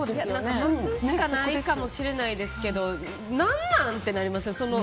待つしかないかもしれないですが何なん？ってなります。